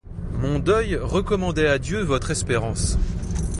Mon deuil recommandait à Dieu votre espérance